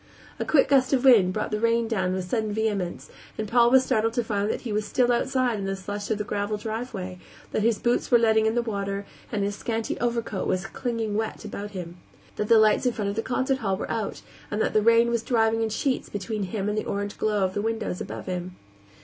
A quick gust of wind brought the rain down with sudden vehemence, and Paul was startled to find that he was still outside in the slush of the gravel driveway; that his boots were letting in the water and his scanty overcoat was clinging wet about him; that the lights in front of the concert hall were out and that the rain was driving in sheets between him and the orange glow of the windows above him.